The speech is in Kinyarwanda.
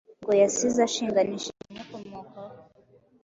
ngo yasize ashinganishije abamukomokaho